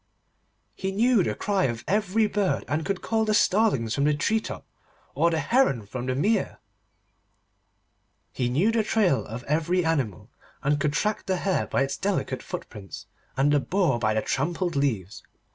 He knew the cry of every bird, and could call the starlings from the tree top, or the heron from the mere. He knew the trail of every animal, and could track the hare by its delicate footprints, and the boar by the trampled leaves.